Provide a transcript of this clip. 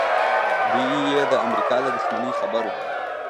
دی یې د امریکا له دښمنۍ خبر و